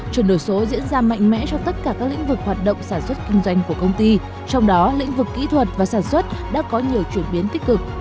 chuyển đổi số diễn ra mạnh mẽ trong tất cả các lĩnh vực hoạt động sản xuất kinh doanh của công ty trong đó lĩnh vực kỹ thuật và sản xuất đã có nhiều chuyển biến tích cực